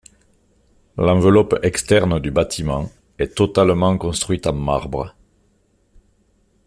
L'enveloppe externe du bâtiment est totalement construite en marbre.